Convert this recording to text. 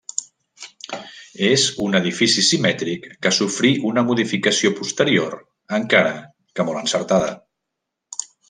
És un edifici simètric que sofrí una modificació posterior encara que molt encertada.